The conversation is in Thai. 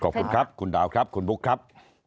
ขอบคุณครับคุณดาวครับคุณบุ๊คครับ